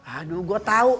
aduh gua tau